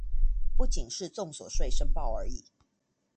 不僅是綜所稅申報而已